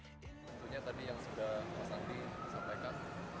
tentunya tadi yang sudah mas andi sampaikan